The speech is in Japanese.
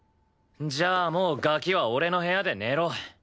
じゃあもうガキは俺の部屋で寝ろ。